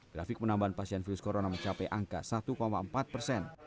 grafik penambahan pasien virus corona mencapai angka satu empat persen